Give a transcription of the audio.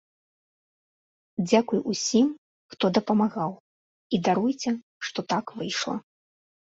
Дзякуй усім, хто дапамагаў, і даруйце, што так выйшла.